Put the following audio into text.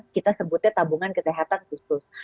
kita sebutnya tabungan kesehatan khusus